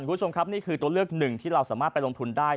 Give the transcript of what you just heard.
คุณผู้ชมครับนี่คือตัวเลือกหนึ่งที่เราสามารถไปลงทุนได้